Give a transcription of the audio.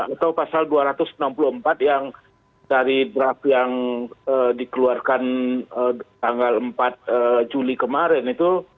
atau pasal dua ratus enam puluh empat yang dari draft yang dikeluarkan tanggal empat juli kemarin itu